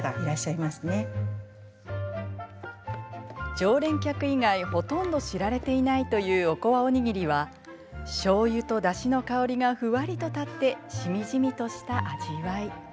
常連客以外ほとんど知られていないというおこわおにぎりはしょうゆと、だしの香りがふわりと立ってしみじみとした味わい。